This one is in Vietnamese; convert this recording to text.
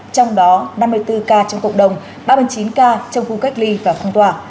trong đó năm mươi bốn ca trong cộng đồng ba mươi chín ca trong khu cách ly và phong tỏa